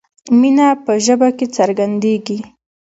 مینه په ژبه کې څرګندیږي.